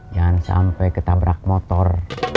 jangan sampai ketabrak motor